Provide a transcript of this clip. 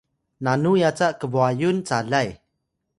nanu yaca kbwayun calay